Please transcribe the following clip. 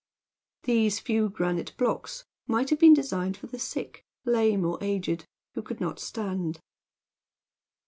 These few granite blocks might have been designed for the sick, lame, or aged, who could not stand.